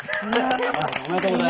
・おめでとうございます。